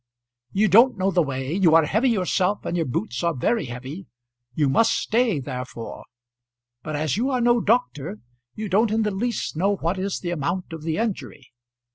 You don't know the way; you are heavy yourself, and your boots are very heavy. You must stay therefore; but as you are no doctor you don't in the least know what is the amount of the injury.